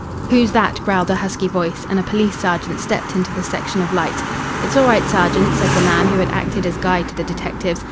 "Who's that?" growled a husky voice, and a police sergeant stepped into the section of light. "It's all right, sergeant," said the man who had acted as guide to the detectives.